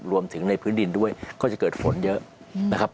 รวมถึงในพื้นดินด้วยก็จะเกิดฝนเยอะนะครับ